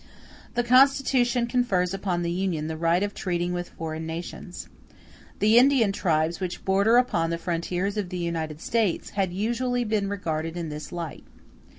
The Constitution confers upon the Union the right of treating with foreign nations. The Indian tribes, which border upon the frontiers of the United States, had usually been regarded in this light.